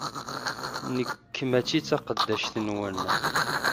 Nekk mačči d taqeddact-nwen!